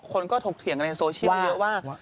คนก็ถูกเถียงในโซเชียลเยอะว่า